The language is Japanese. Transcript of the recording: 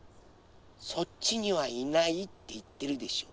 そっちにはいないっていってるでしょ。